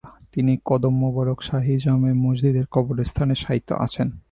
তিনি কদম মোবারক শাহী জামে মসজিদের কবরস্থানে শায়িত আছেন।